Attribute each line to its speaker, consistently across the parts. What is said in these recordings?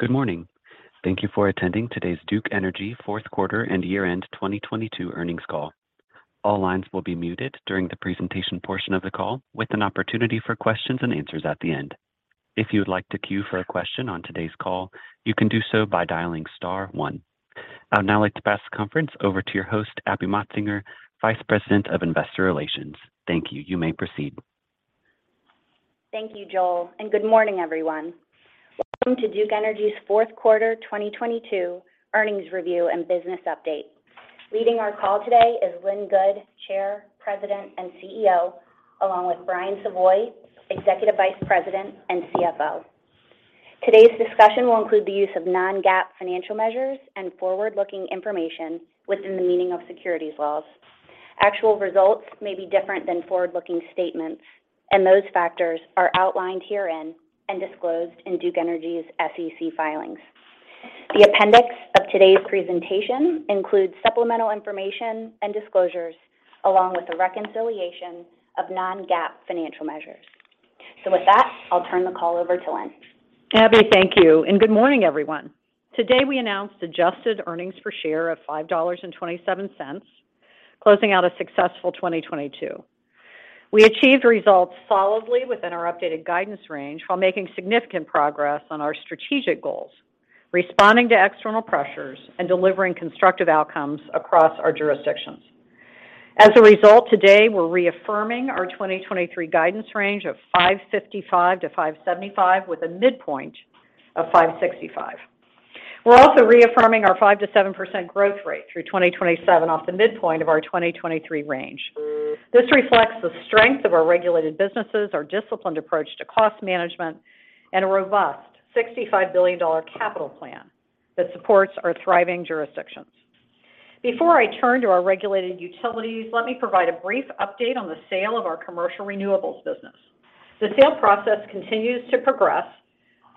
Speaker 1: Good morning. Thank you for attending today's Duke Energy fourth quarter and year-end 2022 earnings call. All lines will be muted during the presentation portion of the call with an opportunity for questions and answers at the end. If you would like to queue for a question on today's call, you can do so by dialing star one. I would now like to pass the conference over to your host, Abby Motsinger, Vice President of Investor Relations. Thank you. You may proceed.
Speaker 2: Thank you, Joel. Good morning, everyone. Welcome to Duke Energy's fourth quarter 2022 earnings review and business update. Leading our call today is Lynn Good, Chair, President, and CEO, along with Brian Savoy, Executive Vice President and CFO. Today's discussion will include the use of non-GAAP financial measures and forward-looking information within the meaning of securities laws. Actual results may be different than forward-looking statements. Those factors are outlined herein and disclosed in Duke Energy's SEC filings. The appendix of today's presentation includes supplemental information and disclosures along with the reconciliation of non-GAAP financial measures. With that, I'll turn the call over to Lynn.
Speaker 3: Abby, thank you. Good morning, everyone. Today we announced adjusted earnings per share of $5.27, closing out a successful 2022. We achieved results solidly within our updated guidance range while making significant progress on our strategic goals, responding to external pressures and delivering constructive outcomes across our jurisdictions. As a result, today we're reaffirming our 2023 guidance range of $5.55-$5.75 with a midpoint of $5.65. We're also reaffirming our 5%-7% growth rate through 2027 off the midpoint of our 2023 range. This reflects the strength of our regulated businesses, our disciplined approach to cost management, and a robust $65 billion capital plan that supports our thriving jurisdictions. Before I turn to our regulated utilities, let me provide a brief update on the sale of our commercial renewables business. The sale process continues to progress,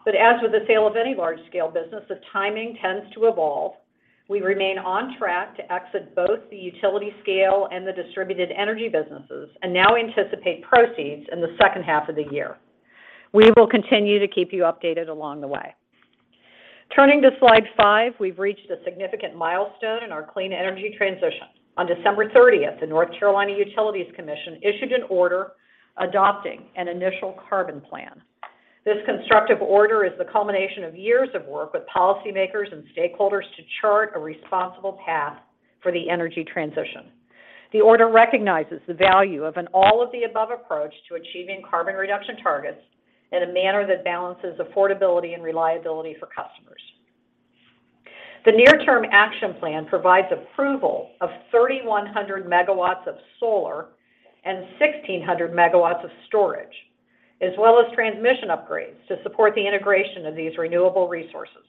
Speaker 3: but as with the sale of any large-scale business, the timing tends to evolve. We remain on track to exit both the utility scale and the distributed energy businesses and now anticipate proceeds in the second half of the year. We will continue to keep you updated along the way. Turning to slide five, we've reached a significant milestone in our clean energy transition. On December 30th, the North Carolina Utilities Commission issued an order adopting an initial Carbon Plan. This constructive order is the culmination of years of work with policymakers and stakeholders to chart a responsible path for the energy transition. The order recognizes the value of an all-of-the-above approach to achieving carbon reduction targets in a manner that balances affordability and reliability for customers. The near-term action plan provides approval of 3,100 MW of solar and 1,600 MW of storage, as well as transmission upgrades to support the integration of these renewable resources.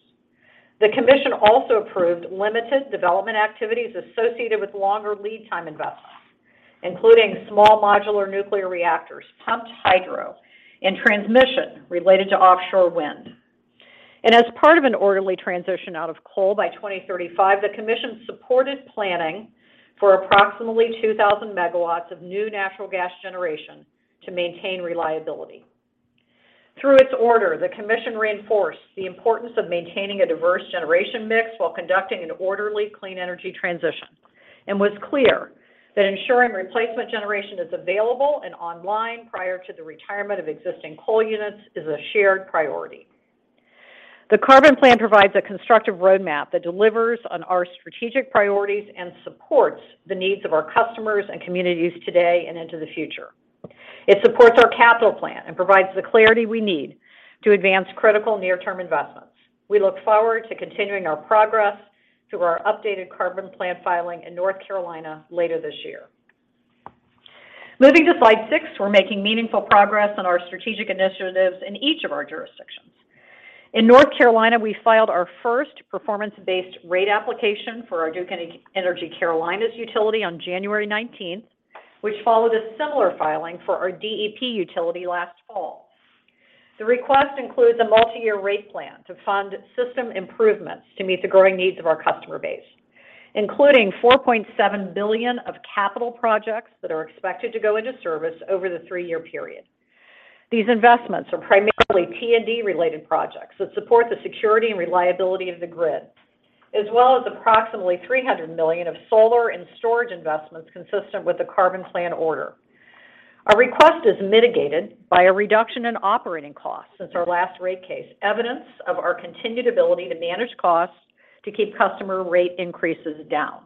Speaker 3: The commission also approved limited development activities associated with longer lead time investments, including small modular nuclear reactors, pumped hydro, and transmission related to offshore wind. As part of an orderly transition out of coal by 2035, the commission supported planning for approximately 2,000 MW of new natural gas generation to maintain reliability. Through its order, the commission reinforced the importance of maintaining a diverse generation mix while conducting an orderly clean energy transition and was clear that ensuring replacement generation is available and online prior to the retirement of existing coal units is a shared priority. The Carbon Plan provides a constructive roadmap that delivers on our strategic priorities and supports the needs of our customers and communities today and into the future. It supports our capital plan and provides the clarity we need to advance critical near-term investments. We look forward to continuing our progress through our updated Carbon Plan filing in North Carolina later this year. Moving to slide six, we're making meaningful progress on our strategic initiatives in each of our jurisdictions. In North Carolina, we filed our first performance-based rate application for our Duke Energy Carolinas utility on January 19th, which followed a similar filing for our DEP utility last fall. The request includes a multi-year rate plan to fund system improvements to meet the growing needs of our customer base, including $4.7 billion of capital projects that are expected to go into service over the three-year period. These investments are primarily T&D-related projects that support the security and reliability of the grid, as well as approximately $300 million of solar and storage investments consistent with the Carbon Plan order. Our request is mitigated by a reduction in operating costs since our last rate case, evidence of our continued ability to manage costs to keep customer rate increases down.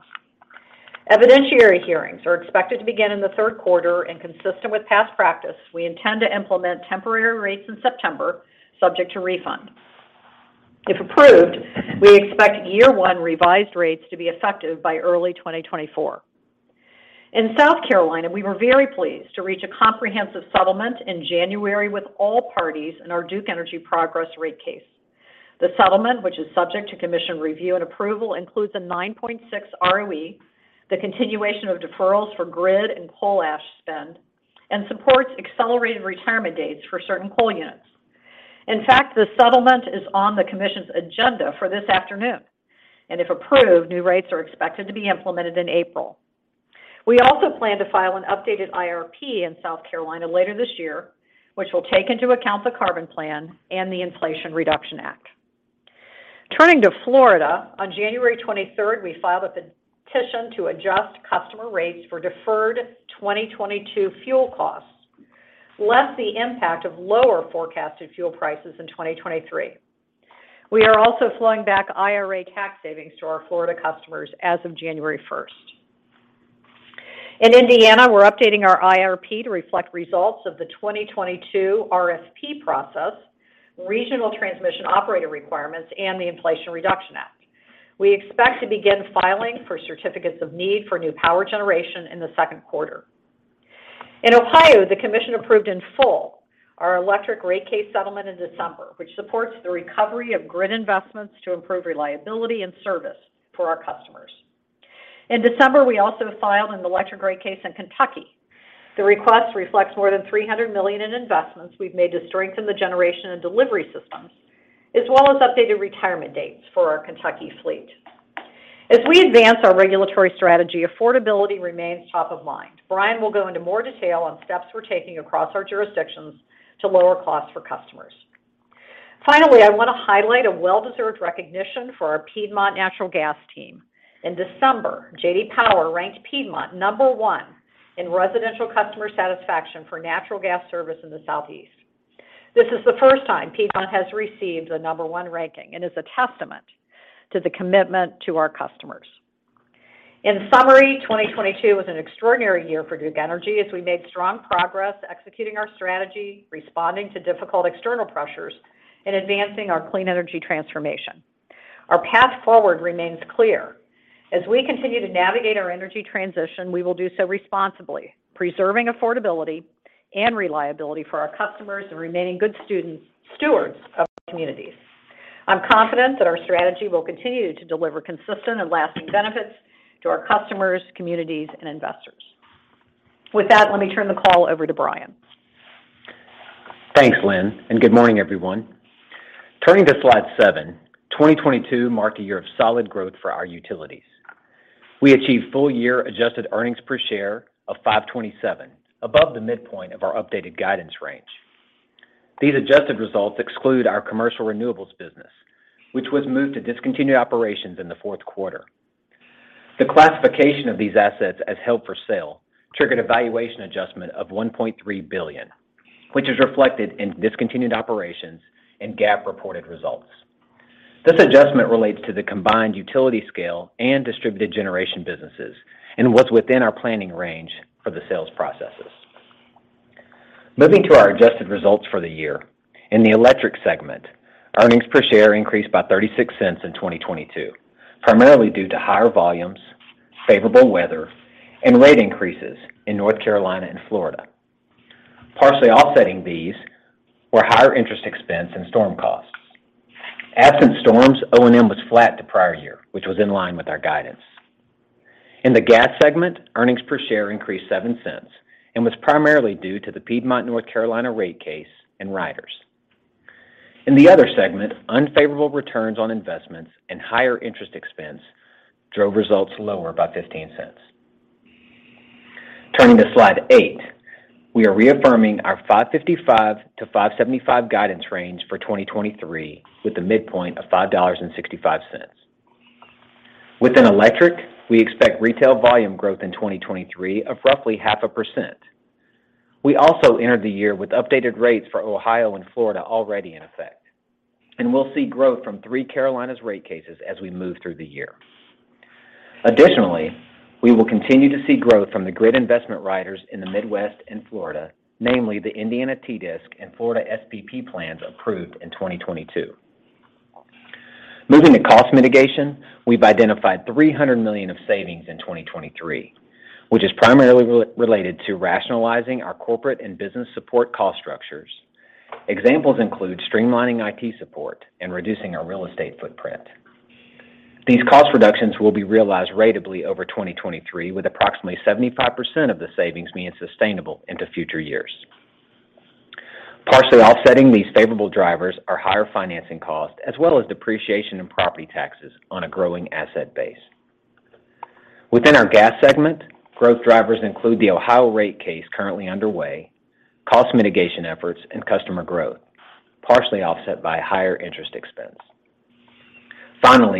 Speaker 3: Evidentiary hearings are expected to begin in the third quarter and consistent with past practice, we intend to implement temporary rates in September subject to refund. If approved, we expect year 1 revised rates to be effective by early 2024. In South Carolina, we were very pleased to reach a comprehensive settlement in January with all parties in our Duke Energy Progress rate case. The settlement, which is subject to Commission review and approval, includes a 9.6 ROE, the continuation of deferrals for grid and coal ash spend, and supports accelerated retirement dates for certain coal units. In fact, the settlement is on the Commission's agenda for this afternoon, and if approved, new rates are expected to be implemented in April. We also plan to file an updated IRP in South Carolina later this year, which will take into account the Carbon Plan and the Inflation Reduction Act. Turning to Florida, on January 23rd, we filed a petition to adjust customer rates for deferred 2022 fuel costs, less the impact of lower forecasted fuel prices in 2023. We are also flowing back IRA tax savings to our Florida customers as of January 1st. In Indiana, we're updating our IRP to reflect results of the 2022 RFP process, regional transmission organization requirements, and the Inflation Reduction Act. We expect to begin filing for certificates of need for new power generation in the second quarter. In Ohio, the commission approved in full our electric rate case settlement in December, which supports the recovery of grid investments to improve reliability and service for our customers. In December, we also filed an electric rate case in Kentucky. The request reflects more than $300 million in investments we've made to strengthen the generation and delivery systems, as well as updated retirement dates for our Kentucky fleet. As we advance our regulatory strategy, affordability remains top of mind. Brian will go into more detail on steps we're taking across our jurisdictions to lower costs for customers. Finally, I want to highlight a well-deserved recognition for our Piedmont Natural Gas team. In December, J.D. Power ranked Piedmont number one in residential customer satisfaction for natural gas service in the Southeast. This is the first time Piedmont has received a number one ranking and is a testament to the commitment to our customers. In summary, 2022 was an extraordinary year for Duke Energy as we made strong progress executing our strategy, responding to difficult external pressures, and advancing our clean energy transformation. Our path forward remains clear. As we continue to navigate our energy transition, we will do so responsibly, preserving affordability and reliability for our customers and remaining good stewards of our communities. I'm confident that our strategy will continue to deliver consistent and lasting benefits to our customers, communities, and investors. With that, let me turn the call over to Brian.
Speaker 4: Thanks, Lynn. Good morning, everyone. Turning to slide seven, 2022 marked a year of solid growth for our utilities. We achieved full-year adjusted earnings per share of $5.27, above the midpoint of our updated guidance range. These adjusted results exclude our commercial renewables business, which was moved to discontinued operations in the fourth quarter. The classification of these assets as held for sale triggered a valuation adjustment of $1.3 billion, which is reflected in discontinued operations and GAAP reported results. This adjustment relates to the combined utility scale and distributed generation businesses and was within our planning range for the sales processes. Moving to our adjusted results for the year. In the electric segment, earnings per share increased by $0.36 in 2022, primarily due to higher volumes, favorable weather, and rate increases in North Carolina and Florida. Partially offsetting these were higher interest expense and storm costs. Absent storms, O&M was flat to prior year, which was in line with our guidance. In the gas segment, earnings per share increased $0.07 and was primarily due to the Piedmont-North Carolina rate case and riders. In the other segment, unfavorable returns on investments and higher interest expense drove results lower by $0.15. Turning to slide eight. We are reaffirming our $5.55-$5.75 guidance range for 2023, with a midpoint of $5.65. Within electric, we expect retail volume growth in 2023 of roughly 0.5%. We also entered the year with updated rates for Ohio and Florida already in effect, we'll see growth from three Carolinas rate cases as we move through the year. We will continue to see growth from the grid investment riders in the Midwest and Florida, namely the Indiana TDSIC and Florida SoBRA plans approved in 2022. Moving to cost mitigation, we've identified $300 million of savings in 2023, which is primarily related to rationalizing our corporate and business support cost structures. Examples include streamlining IT support and reducing our real estate footprint. These cost reductions will be realized ratably over 2023, with approximately 75% of the savings being sustainable into future years. Partially offsetting these favorable drivers are higher financing costs, as well as depreciation in property taxes on a growing asset base. Within our gas segment, growth drivers include the Ohio rate case currently underway, cost mitigation efforts, and customer growth, partially offset by higher interest expense.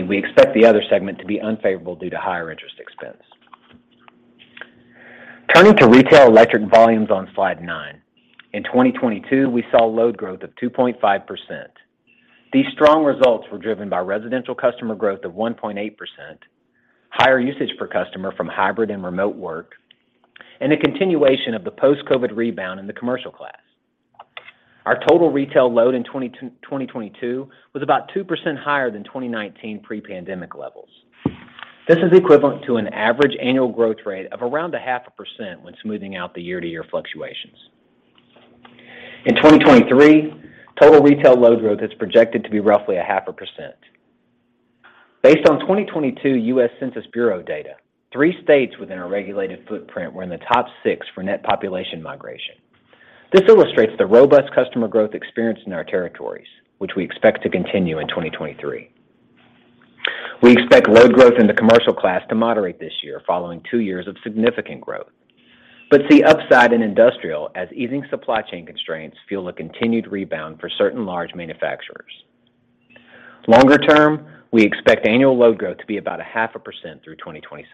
Speaker 4: We expect the other segment to be unfavorable due to higher interest expense. Turning to retail electric volumes on slide 9. In 2022, we saw load growth of 2.5%. These strong results were driven by residential customer growth of 1.8%, higher usage per customer from hybrid and remote work, and a continuation of the post-COVID rebound in the commercial class. Our total retail load in 2022 was about 2% higher than 2019 pre-pandemic levels. This is equivalent to an average annual growth rate of around a half a percent when smoothing out the year-to-year fluctuations. In 2023, total retail load growth is projected to be roughly a half a percent. Based on 2022 U.S. Census Bureau data, three states within our regulated footprint were in the top 6 for net population migration. This illustrates the robust customer growth experienced in our territories, which we expect to continue in 2023. We expect load growth in the commercial class to moderate this year following two years of significant growth. See upside in industrial as easing supply chain constraints fuel a continued rebound for certain large manufacturers. Longer term, we expect annual load growth to be about 0.5% through 2027.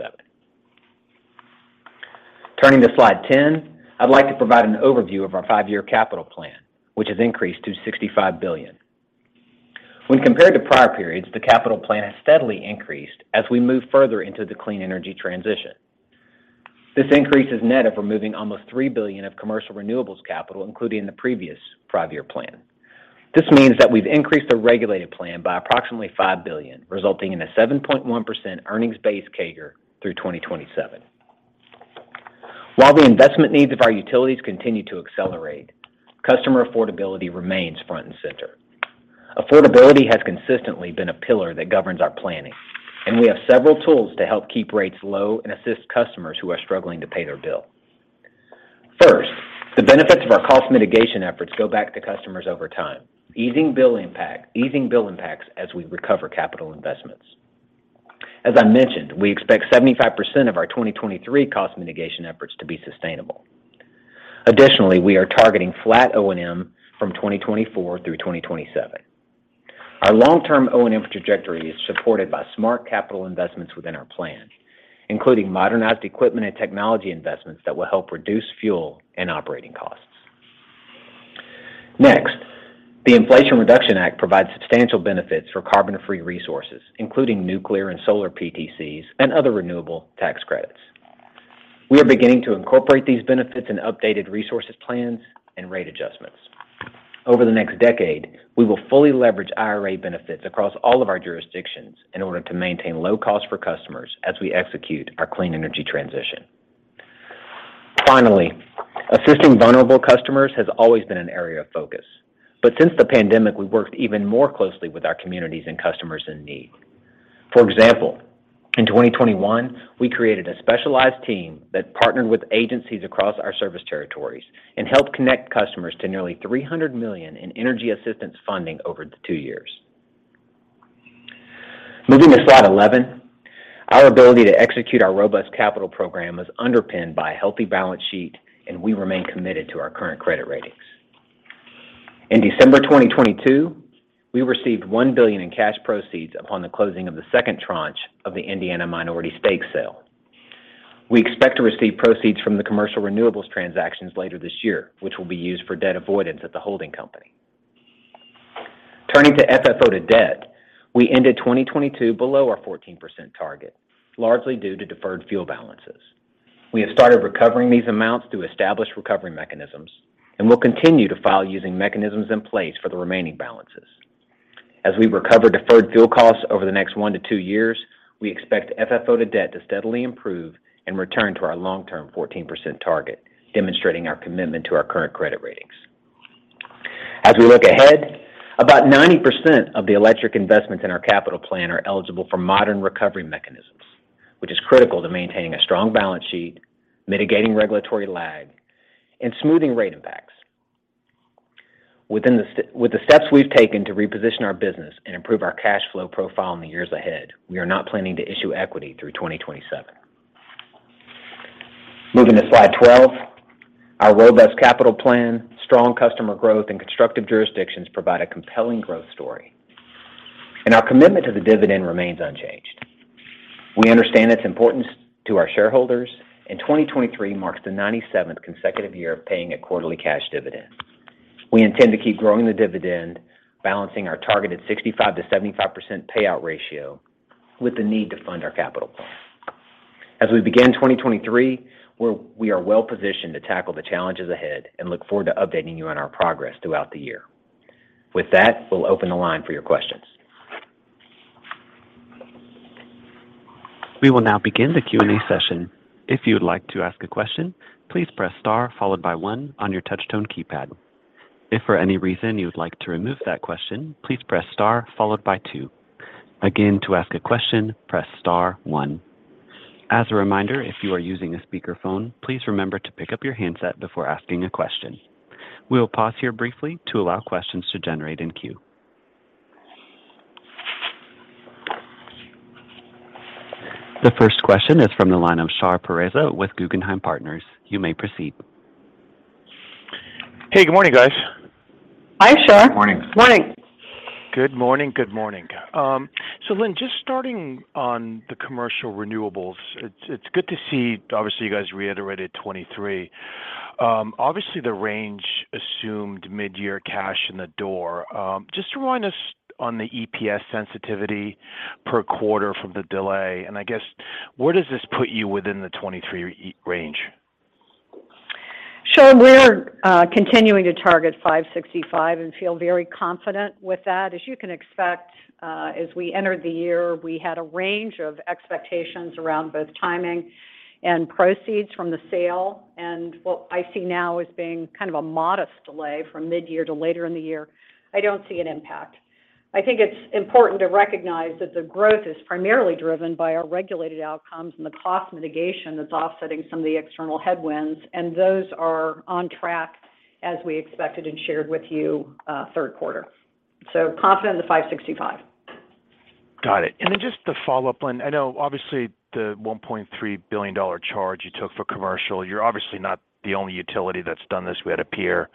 Speaker 4: Turning to Slide 10, I'd like to provide an overview of our five-year capital plan, which has increased to $65 billion. When compared to prior periods, the capital plan has steadily increased as we move further into the clean energy transition. This increase is net of removing almost $3 billion of commercial renewables capital included in the previous five-year plan. This means that we've increased the regulated plan by approximately $5 billion, resulting in a 7.1% earnings base CAGR through 2027. While the investment needs of our utilities continue to accelerate, customer affordability remains front and center. Affordability has consistently been a pillar that governs our planning, and we have several tools to help keep rates low and assist customers who are struggling to pay their bill. First, the benefits of our cost mitigation efforts go back to customers over time, easing bill impacts as we recover capital investments. As I mentioned, we expect 75% of our 2023 cost mitigation efforts to be sustainable. Additionally, we are targeting flat O&M from 2024 through 2027. Our long-term O&M trajectory is supported by smart capital investments within our plan, including modernized equipment and technology investments that will help reduce fuel and operating costs. Next, the Inflation Reduction Act provides substantial benefits for carbon-free resources, including nuclear and solar PTCs and other renewable tax credits. We are beginning to incorporate these benefits in updated resources plans and rate adjustments. Over the next decade, we will fully leverage IRA benefits across all of our jurisdictions in order to maintain low cost for customers as we execute our clean energy transition. Finally, assisting vulnerable customers has always been an area of focus, but since the pandemic, we've worked even more closely with our communities and customers in need. For example, in 2021, we created a specialized team that partnered with agencies across our service territories and helped connect customers to nearly $300 million in energy assistance funding over the two years. Moving to slide 11. Our ability to execute our robust capital program is underpinned by a healthy balance sheet, and we remain committed to our current credit ratings. In December 2022, we received $1 billion in cash proceeds upon the closing of the second tranche of the Indiana minority stake sale. We expect to receive proceeds from the commercial renewables transactions later this year, which will be used for debt avoidance at the holding company. Turning to FFO to debt, we ended 2022 below our 14% target, largely due to deferred fuel balances. We have started recovering these amounts through established recovery mechanisms and will continue to file using mechanisms in place for the remaining balances. As we recover deferred fuel costs over the next one to two years, we expect FFO to debt to steadily improve and return to our long-term 14% target, demonstrating our commitment to our current credit ratings. As we look ahead, about 90% of the electric investments in our capital plan are eligible for modern recovery mechanisms, which is critical to maintaining a strong balance sheet, mitigating regulatory lag, and smoothing rate impacts. With the steps we've taken to reposition our business and improve our cash flow profile in the years ahead, we are not planning to issue equity through 2027. Moving to slide 12. Our robust capital plan, strong customer growth, and constructive jurisdictions provide a compelling growth story. Our commitment to the dividend remains unchanged. We understand its importance to our shareholders. 2023 marks the 97th consecutive year of paying a quarterly cash dividend. We intend to keep growing the dividend, balancing our targeted 65%-75% payout ratio with the need to fund our capital plan. As we begin 2023, we are well-positioned to tackle the challenges ahead and look forward to updating you on our progress throughout the year. With that, we'll open the line for your questions.
Speaker 1: We will now begin the Q&A session. If you would like to ask a question, please press star followed by one on your touch tone keypad. If for any reason you would like to remove that question, please press star followed by two. Again, to ask a question, press star one. As a reminder, if you are using a speakerphone, please remember to pick up your handset before asking a question. We'll pause here briefly to allow questions to generate in queue. The first question is from the line of Shar Pourreza with Guggenheim Partners. You may proceed.
Speaker 5: Hey, good morning, guys.
Speaker 3: Hi, Shar.
Speaker 4: Morning.
Speaker 5: Good morning. Good morning. Lynn, just starting on the commercial renewables. It's good to see, obviously, you guys reiterated 2023. Obviously, the range assumed midyear cash in the door. Just remind us on the EPS sensitivity per quarter from the delay, and I guess where does this put you within the 2023 range?
Speaker 3: Shar, we're continuing to target $5.65 and feel very confident with that. As you can expect, as we entered the year, we had a range of expectations around both timing and proceeds from the sale. What I see now as being kind of a modest delay from midyear to later in the year, I don't see an impact. I think it's important to recognize that the growth is primarily driven by our regulated outcomes and the cost mitigation that's offsetting some of the external headwinds, and those are on track. As we expected and shared with you, third quarter. confident in the $5.65.
Speaker 5: Got it. Just the follow-up, Lynn. I know obviously the $1.3 billion charge you took for commercial, you're obviously not the only utility that's done this. We had a peer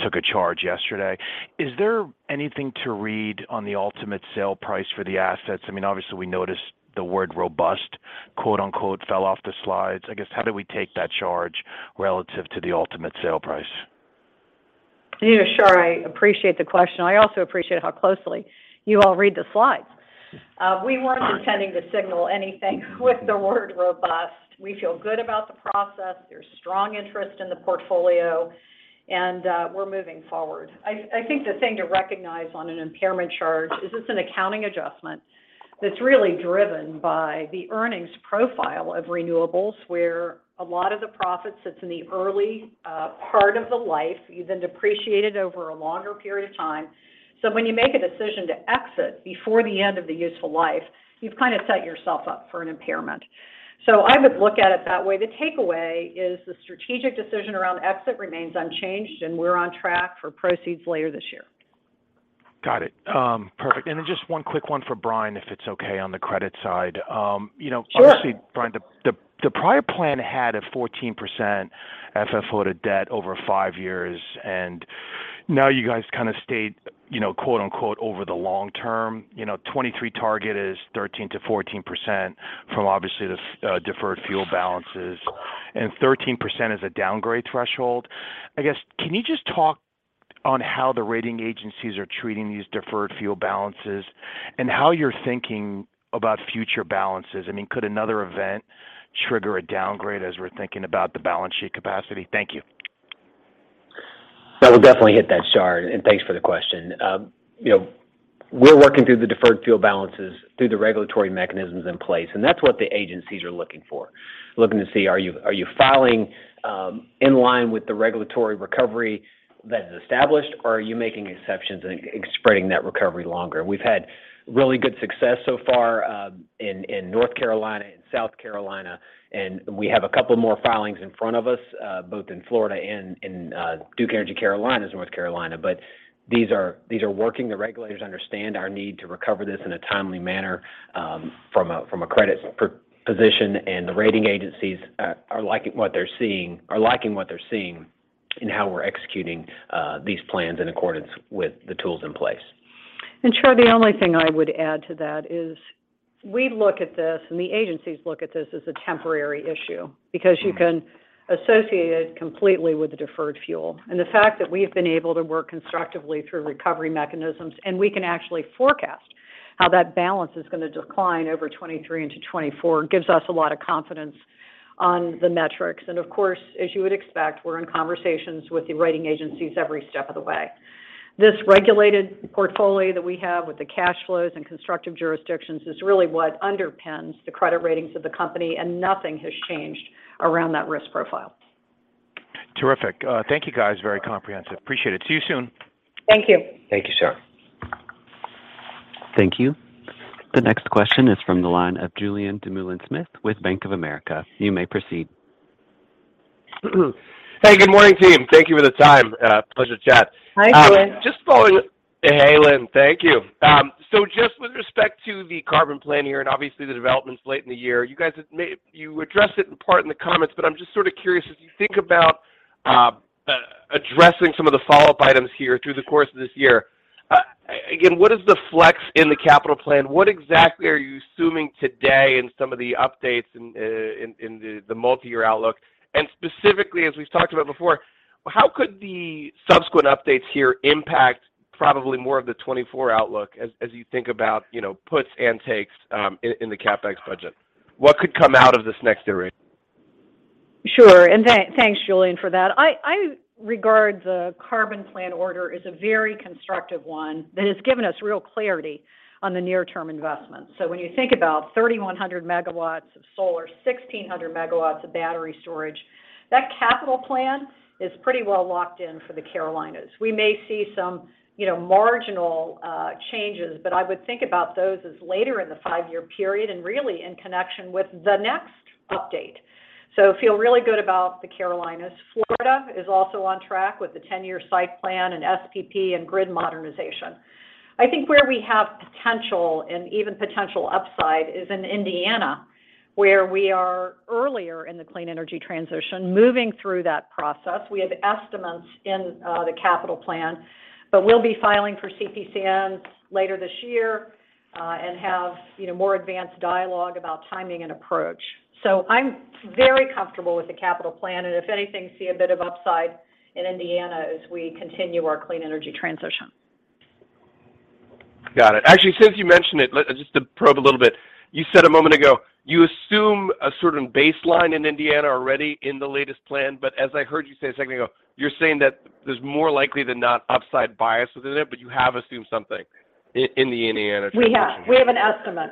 Speaker 5: took a charge yesterday. Is there anything to read on the ultimate sale price for the assets? I mean, obviously, we noticed the word "robust," quote-unquote, fell off the slides. I guess, how do we take that charge relative to the ultimate sale price?
Speaker 3: Yeah, sure. I appreciate the question. I also appreciate how closely you all read the slides. We weren't intending to signal anything with the word robust. We feel good about the process. There's strong interest in the portfolio, and we're moving forward. I think the thing to recognize on an impairment charge is it's an accounting adjustment that's really driven by the earnings profile of renewables, where a lot of the profit sits in the early part of the life. You then depreciate it over a longer period of time. When you make a decision to exit before the end of the useful life, you've kind of set yourself up for an impairment. I would look at it that way. The takeaway is the strategic decision around exit remains unchanged, and we're on track for proceeds later this year.
Speaker 5: Got it. Perfect. Just one quick one for Brian, if it's okay on the credit side. You know-
Speaker 3: Sure.
Speaker 5: Obviously, Brian, the prior plan had a 14% FFO to debt over five years. Now you guys kind of stayed, you know, quote-unquote, over the long term. You know, 2023 target is 13%-14% from obviously the deferred fuel balances. Thirteen percent is a downgrade threshold. I guess, can you just talk on how the rating agencies are treating these deferred fuel balances and how you're thinking about future balances? I mean, could another event trigger a downgrade as we're thinking about the balance sheet capacity? Thank you.
Speaker 4: We'll definitely hit that, Shar, Thanks for the question. you know, we're working through the deferred fuel balances through the regulatory mechanisms in place, and that's what the agencies are looking for. Looking to see, are you filing in line with the regulatory recovery that is established, or are you making exceptions and spreading that recovery longer? We've had really good success so far in North Carolina and South Carolina, and we have a couple more filings in front of us, both in Florida and in Duke Energy Carolinas, North Carolina. These are working. The regulators understand our need to recover this in a timely manner, from a credit position. The rating agencies are liking what they're seeing in how we're executing these plans in accordance with the tools in place.
Speaker 3: Shar, the only thing I would add to that is we look at this, and the agencies look at this as a temporary issue because you can associate it completely with the deferred fuel. The fact that we've been able to work constructively through recovery mechanisms, and we can actually forecast how that balance is gonna decline over 2023 into 2024, gives us a lot of confidence on the metrics. Of course, as you would expect, we're in conversations with the rating agencies every step of the way. This regulated portfolio that we have with the cash flows and constructive jurisdictions is really what underpins the credit ratings of the company, and nothing has changed around that risk profile.
Speaker 5: Terrific. Thank you, guys. Very comprehensive. Appreciate it. See you soon.
Speaker 3: Thank you.
Speaker 4: Thank you, Shar.
Speaker 1: Thank you. The next question is from the line of Julien Dumoulin-Smith with Bank of America. You may proceed.
Speaker 6: Hey, good morning, team. Thank you for the time. Pleasure to chat.
Speaker 3: Hi, Julien. Just following.
Speaker 6: Hey, Lynn. Thank you. Just with respect to the Carbon Plan here and obviously the developments late in the year, you guys have addressed it in part in the comments, but I'm just sort of curious, as you think about addressing some of the follow-up items here through the course of this year, again, what is the flex in the capital plan? What exactly are you assuming today in some of the updates in the multi-year outlook? Specifically, as we've talked about before, how could the subsequent updates here impact probably more of the 2024 outlook as you think about, you know, puts and takes in the CapEx budget? What could come out of this next iteration?
Speaker 3: Sure. Thanks, Julien, for that. I regard the Carbon Plan order as a very constructive one that has given us real clarity on the near-term investments. When you think about 3,100 MW of solar, 1,600 MW of battery storage, that capital plan is pretty well locked in for the Carolinas. We may see some, you know, marginal changes, but I would think about those as later in the five-year period and really in connection with the next update. Feel really good about the Carolinas. Florida is also on track with the 10-year site plan and SPP and grid modernization. I think where we have potential and even potential upside is in Indiana, where we are earlier in the clean energy transition, moving through that process. We have estimates in the capital plan. We'll be filing for CPCNs later this year and have, you know, more advanced dialogue about timing and approach. I'm very comfortable with the capital plan, and if anything, see a bit of upside in Indiana as we continue our clean energy transition.
Speaker 6: Got it. Actually, since you mentioned it, just to probe a little bit, you said a moment ago you assume a certain baseline in Indiana already in the latest plan. As I heard you say a second ago, you're saying that there's more likely than not upside bias within it, but you have assumed something in the Indiana transition.
Speaker 3: We have an estimate.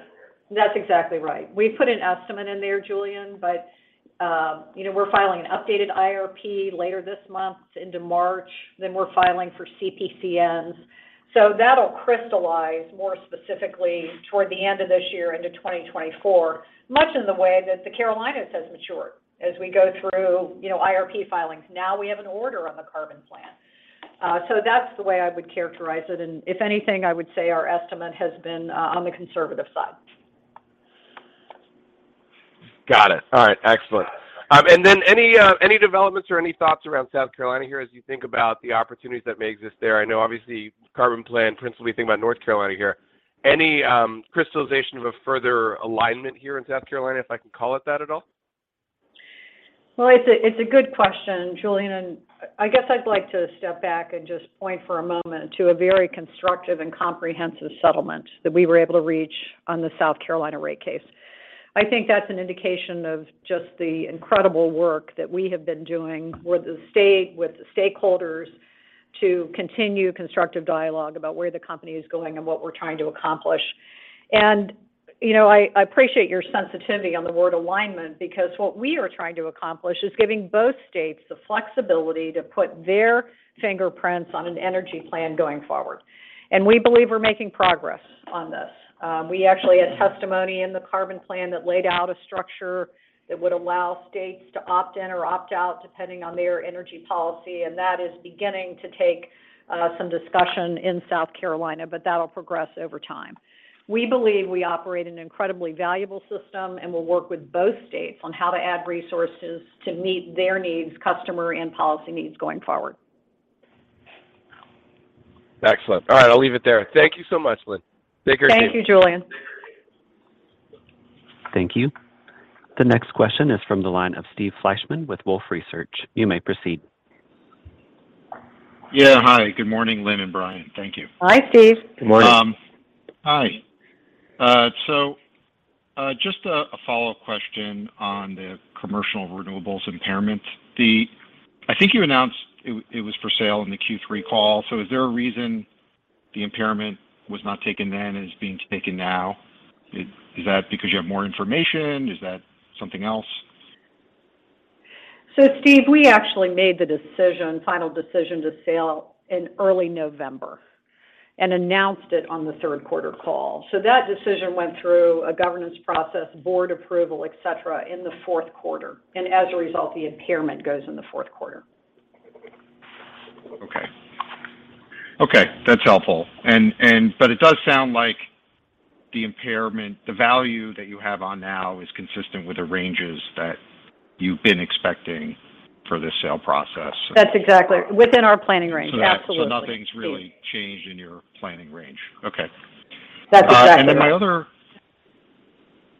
Speaker 3: That's exactly right. We put an estimate in there, Julien, you know, we're filing an updated IRP later this month into March, then we're filing for CPCNs. That'll crystallize more specifically toward the end of this year into 2024, much in the way that the Carolinas has matured. As we go through, you know, IRP filings, now we have an order on the Carbon Plan. That's the way I would characterize it. If anything, I would say our estimate has been on the conservative side.
Speaker 6: Got it. All right. Excellent. Any developments or any thoughts around South Carolina here as you think about the opportunities that may exist there? I know obviously Carbon Plan principally think about North Carolina here. Any crystallization of a further alignment here in South Carolina, if I can call it that at all?
Speaker 3: Well, it's a good question, Julien. I guess I'd like to step back and just point for a moment to a very constructive and comprehensive settlement that we were able to reach on the South Carolina rate case. I think that's an indication of just the incredible work that we have been doing with the state, with the stakeholders to continue constructive dialogue about where the company is going and what we're trying to accomplish. You know, I appreciate your sensitivity on the word alignment because what we are trying to accomplish is giving both states the flexibility to put their fingerprints on an energy plan going forward. We believe we're making progress on this. We actually had testimony in the Carbon Plan that laid out a structure that would allow states to opt in or opt out depending on their energy policy, and that is beginning to take some discussion in South Carolina, but that'll progress over time. We believe we operate an incredibly valuable system, and we'll work with both states on how to add resources to meet their needs, customer and policy needs going forward.
Speaker 6: Excellent. All right, I'll leave it there. Thank you so much, Lynn. Take care.
Speaker 3: Thank you, Julien.
Speaker 1: Thank you. The next question is from the line of Steve Fleishman with Wolfe Research. You may proceed.
Speaker 7: Yeah, hi. Good morning, Lynn and Brian. Thank you.
Speaker 3: Hi, Steve.
Speaker 4: Good morning.
Speaker 7: Hi. just a follow-up question on the commercial renewables impairment. I think you announced it was for sale in the Q3 call. Is there a reason the impairment was not taken then and is being taken now? Is that because you have more information? Is that something else?
Speaker 3: Steve, we actually made the decision, final decision to sell in early November and announced it on the third quarter call. That decision went through a governance process, board approval, et cetera, in the fourth quarter, and as a result, the impairment goes in the fourth quarter.
Speaker 7: Okay. Okay, that's helpful. It does sound like the impairment, the value that you have on now is consistent with the ranges that you've been expecting for this sale process.
Speaker 3: That's exactly within our planning range. Absolutely.
Speaker 7: Nothing's really changed in your planning range. Okay.
Speaker 3: That's exactly right.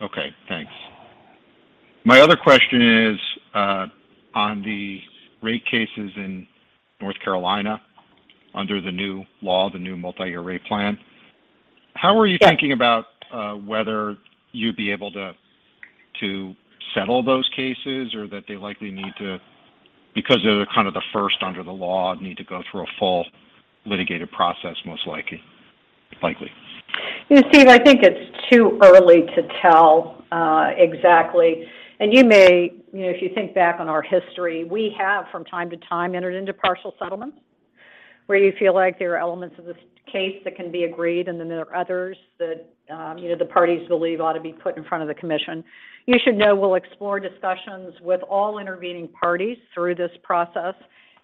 Speaker 7: Okay. Thanks. My other question is, on the rate cases in North Carolina under the new law, the new multi-year rate plan.
Speaker 3: Yes.
Speaker 7: How are you thinking about, whether you'd be able to settle those cases or that they likely need to, because they're kind of the first under the law, need to go through a full litigated process, most likely.
Speaker 3: You know, Steve, I think it's too early to tell, exactly. You may, you know, if you think back on our history, we have from time to time entered into partial settlements where you feel like there are elements of the case that can be agreed, and then there are others that, you know, the parties believe ought to be put in front of the commission. You should know we'll explore discussions with all intervening parties through this process.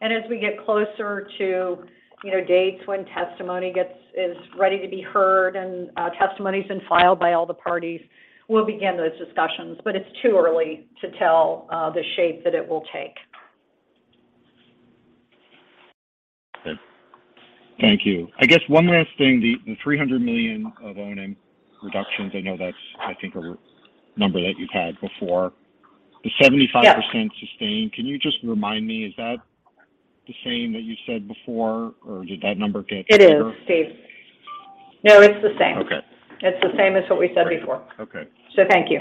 Speaker 3: As we get closer to, you know, dates when testimony is ready to be heard and, testimony's been filed by all the parties, we'll begin those discussions. It's too early to tell, the shape that it will take.
Speaker 7: Thank you. I guess one last thing, the $300 million of O&M reductions, I know that's I think a number that you've had before.
Speaker 3: Yes.
Speaker 7: The 75% sustained, can you just remind me, is that the same that you said before, or did that number get bigger?
Speaker 3: It is, Steve. No, it's the same.
Speaker 7: Okay.
Speaker 3: It's the same as what we said before.
Speaker 7: Okay.
Speaker 3: Thank you.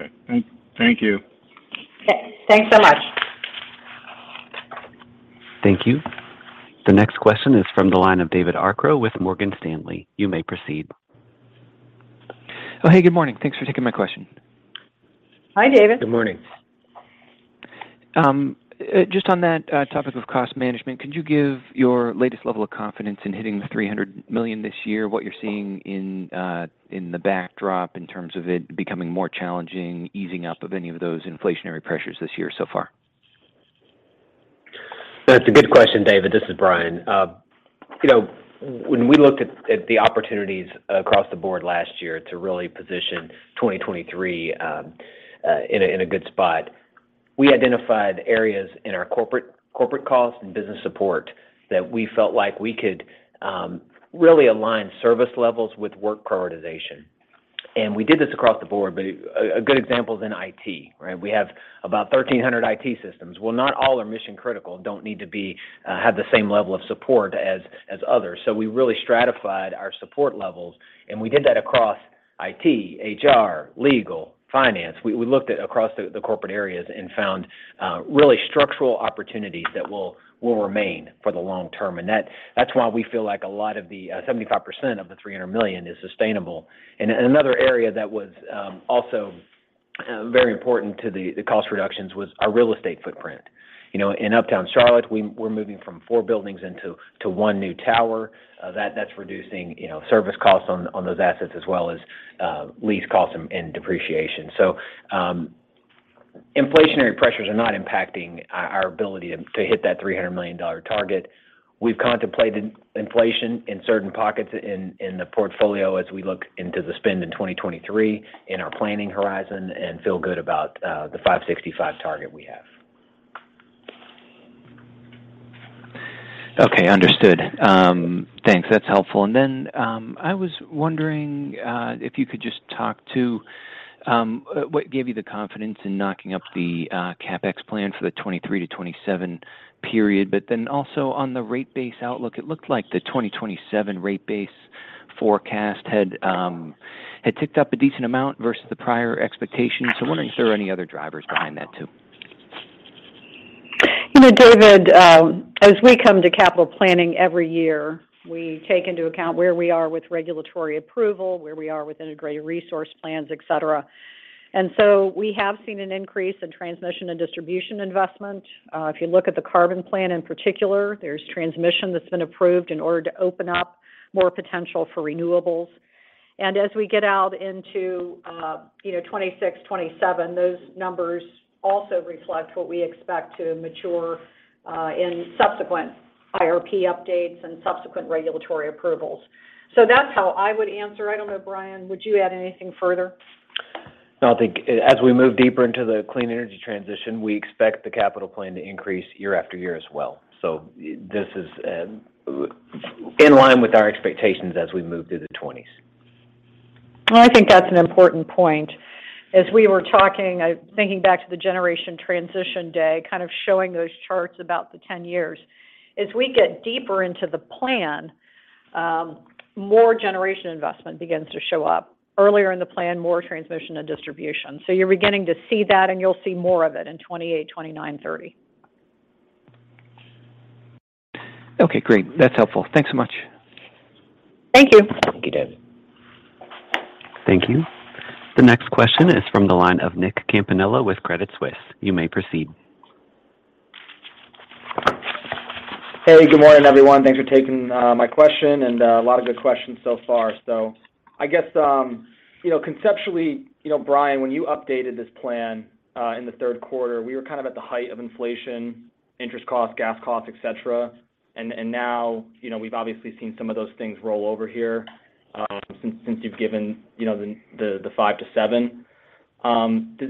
Speaker 7: Okay. Thank you.
Speaker 3: Okay. Thanks so much.
Speaker 1: Thank you. The next question is from the line of David Arcaro with Morgan Stanley. You may proceed.
Speaker 8: Hey, good morning. Thanks for taking my question.
Speaker 3: Hi, David.
Speaker 4: Good morning.
Speaker 8: Just on that topic of cost management, could you give your latest level of confidence in hitting the $300 million this year, what you're seeing in the backdrop in terms of it becoming more challenging, easing up of any of those inflationary pressures this year so far?
Speaker 4: That's a good question, David. This is Brian. You know, when we looked at the opportunities across the board last year to really position 2023 in a good spot, we identified areas in our corporate costs and business support that we felt like we could really align service levels with work prioritization. We did this across the board, but a good example is in IT, right? We have about 1,300 IT systems. Well, not all are mission critical and don't need to be have the same level of support as others. So we really stratified our support levels, and we did that across IT, HR, legal, finance. We looked at across the corporate areas and found really structural opportunities that will remain for the long term. That's why we feel like a lot of the 75% of the $300 million is sustainable. Another area that was also very important to the cost reductions was our real estate footprint. You know, in uptown Charlotte, we're moving from four buildings into one new tower. That's reducing, you know, service costs on those assets as well as lease costs and depreciation. Inflationary pressures are not impacting our ability to hit that $300 million target. We've contemplated inflation in certain pockets in the portfolio as we look into the spend in 2023 in our planning horizon and feel good about the 565 target we have.
Speaker 8: Okay. Understood. Thanks. That's helpful. I was wondering if you could just talk to what gave you the confidence in knocking up the CapEx plan for the 2023-2027 period, but then also on the rate base outlook, it looked like the 2027 rate base forecast had ticked up a decent amount versus the prior expectations. I'm wondering if there are any other drivers behind that too.
Speaker 3: You know, David, as we come to capital planning every year, we take into account where we are with regulatory approval, where we are with integrated resource plans, et cetera. We have seen an increase in transmission and distribution investment. If you look at the Carbon Plan in particular, there's transmission that's been approved in order to open up more potential for renewables. As we get out into, you know, 2026, 2027, those numbers also reflect what we expect to mature in subsequent IRP updates and subsequent regulatory approvals. That's how I would answer. I don't know, Brian, would you add anything further?
Speaker 4: No. I think as we move deeper into the clean energy transition, we expect the capital plan to increase year after year as well. This is in line with our expectations as we move through the twenties.
Speaker 3: I think that's an important point. As we were talking, I'm thinking back to the generation transition day, kind of showing those charts about the 10 years. As we get deeper into the plan, more generation investment begins to show up. Earlier in the plan, more transmission and distribution. You're beginning to see that, and you'll see more of it in 2028, 2029, 2030.
Speaker 8: Okay, great. That's helpful. Thanks so much.
Speaker 3: Thank you.
Speaker 4: Thank you, David.
Speaker 1: Thank you. The next question is from the line of Nick Campanella with Credit Suisse. You may proceed.
Speaker 9: Hey, good morning, everyone. Thanks for taking my question, and a lot of good questions so far. I guess, you know, conceptually, you know, Brian, when you updated this plan, in the third quarter, we were kind of at the height of inflation, interest costs, gas costs, et cetera. Now, you know, we've obviously seen some of those things roll over here, since you've given, you know, the 5%-7%.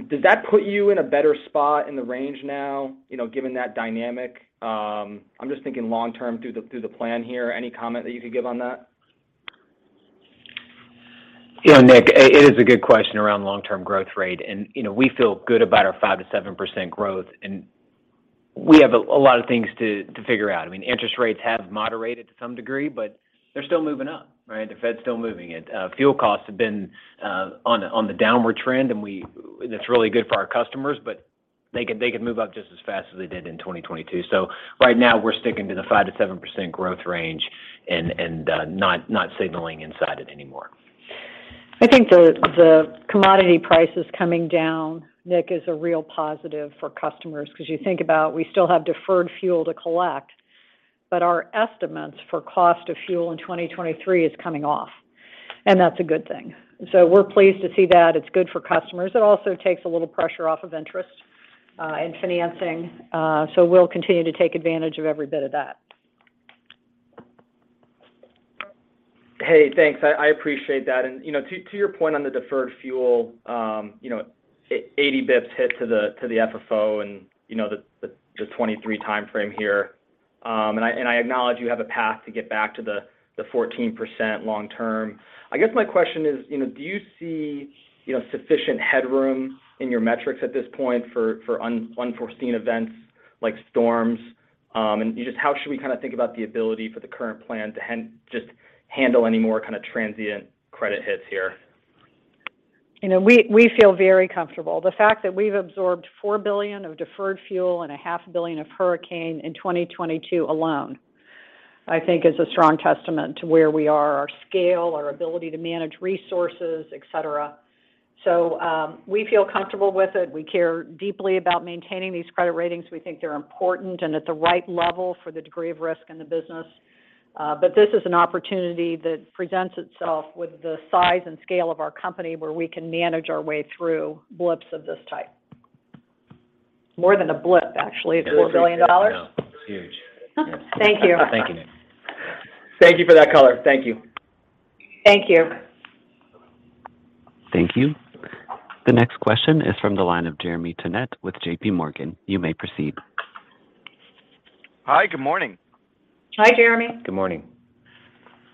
Speaker 9: Does that put you in a better spot in the range now, you know, given that dynamic? I'm just thinking long term through the plan here. Any comment that you could give on that?
Speaker 4: Nick, it is a good question around long-term growth rate. You know, we feel good about our 5%-7% growth, and we have a lot of things to figure out. I mean, interest rates have moderated to some degree, but they're still moving up, right? The Fed's still moving it. Fuel costs have been on the downward trend, and it's really good for our customers, but they could move up just as fast as they did in 2022. Right now, we're sticking to the 5%-7% growth range and not signaling inside it anymore.
Speaker 3: I think the commodity prices coming down, Nick, is a real positive for customers because you think about we still have deferred fuel to collect, but our estimates for cost of fuel in 2023 is coming off, and that's a good thing. We're pleased to see that it's good for customers. It also takes a little pressure off of interest and financing, so we'll continue to take advantage of every bit of that.
Speaker 9: Hey, thanks. I appreciate that. You know, to your point on the deferred fuel, you know, 80 bits hit to the FFO and, you know, the 2023 timeframe here. I acknowledge you have a path to get back to the 14% long term. I guess my question is, you know, do you see, you know, sufficient headroom in your metrics at this point for unforeseen events like storms? Just how should we kind of think about the ability for the current plan to handle any more kind of transient credit hits here?
Speaker 3: You know, we feel very comfortable. The fact that we've absorbed $4 billion of deferred fuel and a half billion of hurricane in 2022 alone, I think is a strong testament to where we are, our scale, our ability to manage resources, et cetera. We feel comfortable with it. We care deeply about maintaining these credit ratings. We think they're important and at the right level for the degree of risk in the business. This is an opportunity that presents itself with the size and scale of our company, where we can manage our way through blips of this type. More than a blip, actually. It's $4 billion.
Speaker 4: No, it's huge.
Speaker 3: Thank you.
Speaker 4: Thank you, Nick.
Speaker 9: Thank you for that color. Thank you.
Speaker 3: Thank you.
Speaker 1: Thank you. The next question is from the line of Jeremy Tonet with JPMorgan. You may proceed.
Speaker 10: Hi. Good morning.
Speaker 3: Hi, Jeremy.
Speaker 4: Good morning.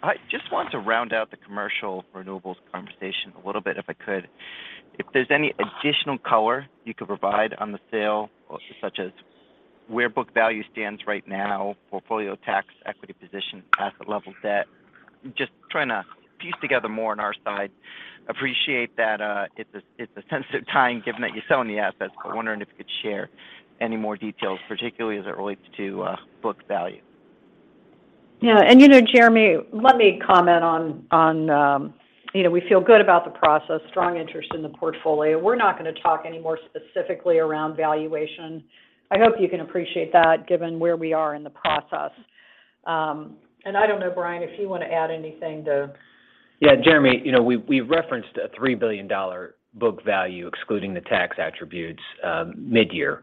Speaker 10: I just want to round out the commercial renewables conversation a little bit, if I could. If there's any additional color you could provide on the sale, such as where book value stands right now, portfolio tax, equity position, asset level debt. Just trying to piece together more on our side. Appreciate that, it's a sensitive time given that you're selling the assets, but wondering if you could share any more details, particularly as it relates to book value.
Speaker 3: Yeah. You know, Jeremy, let me comment on, you know, we feel good about the process, strong interest in the portfolio. We're not going to talk any more specifically around valuation. I hope you can appreciate that given where we are in the process. I don't know, Brian, if you want to add anything.
Speaker 4: Yeah, Jeremy, you know, we referenced a $3 billion book value excluding the tax attributes, midyear.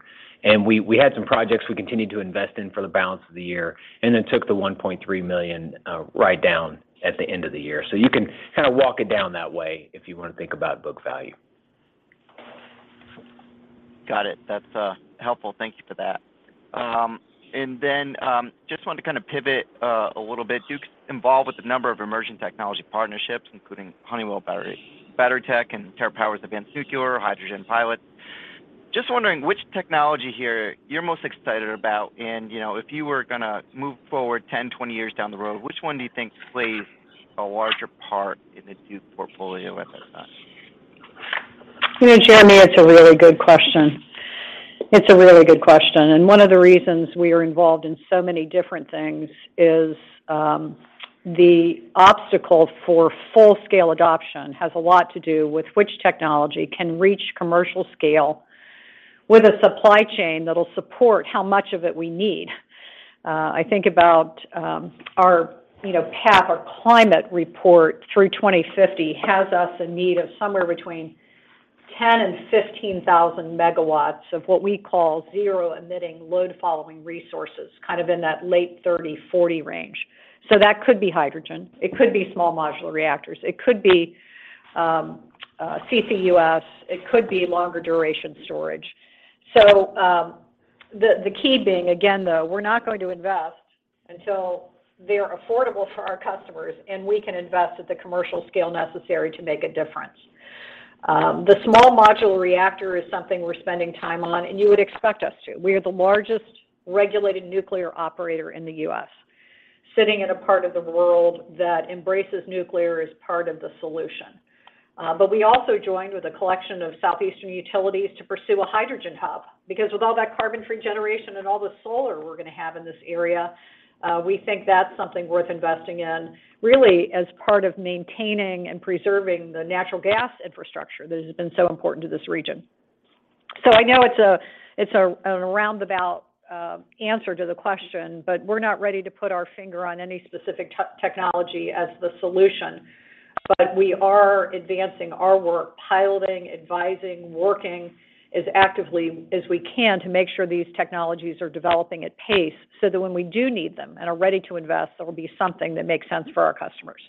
Speaker 4: We had some projects we continued to invest in for the balance of the year, and then took the $1.3 million write-down at the end of the year. You can kind of walk it down that way if you want to think about book value.
Speaker 10: Got it. That's helpful. Thank you for that. Just wanted to kind of pivot a little bit. Duke's involved with a number of emerging technology partnerships, including Honeywell Battery Tech and TerraPower’s Natrium Advanced Nuclear Hydrogen Pilot. Just wondering which technology here you're most excited about and, you know, if you were gonna move forward 10, 20 years down the road, which one do you think plays a larger part in the Duke portfolio at that time?
Speaker 3: You know, Jeremy, it's a really good question. One of the reasons we are involved in so many different things is, the obstacle for full-scale adoption has a lot to do with which technology can reach commercial scale with a supply chain that'll support how much of it we need. I think about, our, you know, path or climate report through 2050 has us in need of somewhere between 10,000 MW and 15,000 MW of what we call zero-emitting load following resources, kind of in that late 2030, 2040 range. That could be hydrogen, it could be small modular reactors, it could be, CCUS, it could be longer duration storage. The key being again, though, we're not going to invest until they're affordable for our customers, and we can invest at the commercial scale necessary to make a difference. The small modular reactor is something we're spending time on, and you would expect us to. We are the largest regulated nuclear operator in the U.S., sitting in a part of the world that embraces nuclear as part of the solution. We also joined with a collection of southeastern utilities to pursue a hydrogen hub because with all that carbon-free generation and all the solar we're going to have in this area, we think that's something worth investing in really as part of maintaining and preserving the natural gas infrastructure that has been so important to this region. I know it's a roundabout answer to the question, but we're not ready to put our finger on any specific tech-technology as the solution. We are advancing our work, piloting, advising, working as actively as we can to make sure these technologies are developing at pace so that when we do need them and are ready to invest, there will be something that makes sense for our customers.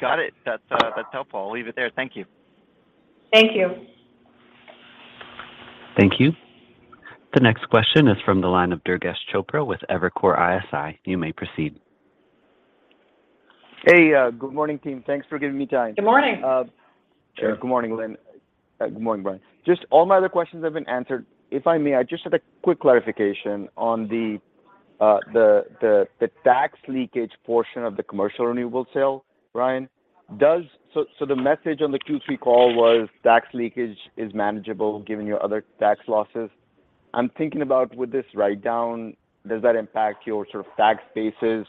Speaker 10: Got it. That's helpful. I'll leave it there. Thank you.
Speaker 3: Thank you.
Speaker 1: Thank you. The next question is from the line of Durgesh Chopra with Evercore ISI. You may proceed.
Speaker 11: Hey, good morning, team. Thanks for giving me time.
Speaker 3: Good morning.
Speaker 11: Good morning, Lynn. Good morning, Brian. Just all my other questions have been answered. If I may, I just had a quick clarification on the tax leakage portion of the commercial renewables sale, Brian. So the message on the Q3 call was tax leakage is manageable given your other tax losses. I'm thinking about with this write-down, does that impact your sort of tax bases?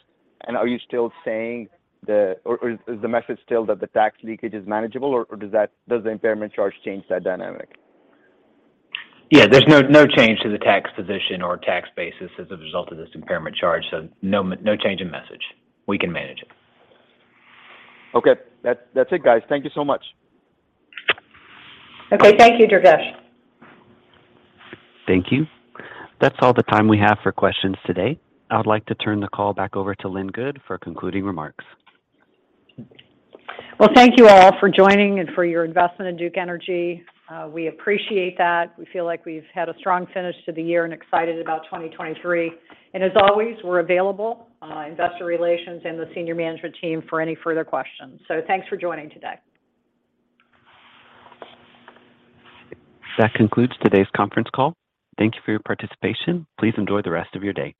Speaker 11: Are you still saying the... Or is the message still that the tax leakage is manageable, or does the impairment charge change that dynamic?
Speaker 4: Yeah. There's no change to the tax position or tax basis as a result of this impairment charge. No change in message. We can manage it.
Speaker 11: Okay. That's it, guys. Thank you so much.
Speaker 3: Okay. Thank you, Durgesh.
Speaker 1: Thank you. That's all the time we have for questions today. I would like to turn the call back over to Lynn Good for concluding remarks.
Speaker 3: Well, thank you all for joining and for your investment in Duke Energy. We appreciate that. We feel like we've had a strong finish to the year and excited about 2023. As always, we're available, investor relations and the senior management team for any further questions. Thanks for joining today.
Speaker 1: That concludes today's conference call. Thank you for your participation. Please enjoy the rest of your day.